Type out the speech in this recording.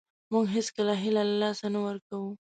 موږ هېڅکله هیله له لاسه نه ورکوو .